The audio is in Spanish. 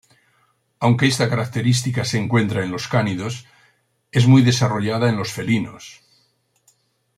Aunque esta característica se encuentra en los cánidos, es muy desarrollada en los felinos.